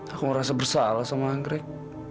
aku merasa bersalah sama anggrek